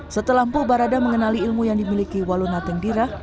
setelah pobarada mengenali ilmu yang dimiliki waluna tenggira